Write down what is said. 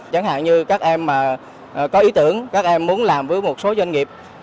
chẳng hạn như các em mà có ý tưởng các em muốn làm với một số doanh nghiệp